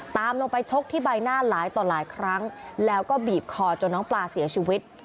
ตามลงไปชกที่ใบหน้าหลายต่อหลายครั้งแล้วก็บีบคอจนน้องปลาเสียชีวิต